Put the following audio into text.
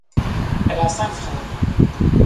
Elle a cinq frères.